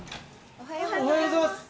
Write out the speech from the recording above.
おはようございます。